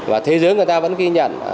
và thế giới người ta vẫn ghi nhận